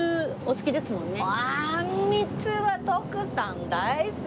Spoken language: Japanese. あんみつは徳さん大好き！